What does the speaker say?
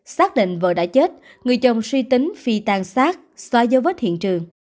xác định vợ đã chết người chồng suy tính phi tan sát xóa dấu vết hiện trường